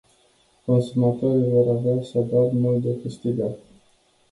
Consumatorii vor avea așadar mult de câștigat.